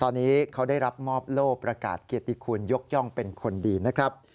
ตอนนี้เขาได้รับมอบโลกประกาศเกียรติคุณยกย่องเป็นคนดีนะครับ